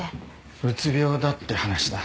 うつ病だって話だ。